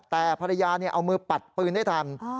แต่ภรรยาเอามือปัดปืนได้ทัน